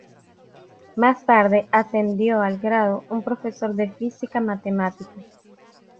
Más tarde ascendió al grado un profesor de física matemática.